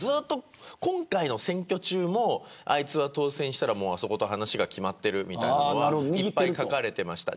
今回の選挙中もあいつは当選したらあそこと話が決まっているというのはいっぱい書かれていました。